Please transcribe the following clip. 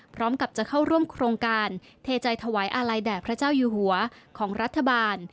พร้อมกับจะเข้าร่วมโครงการเทใจถวายอาลัยแด่พระเจ้าอยู่หัวของรัฐบาล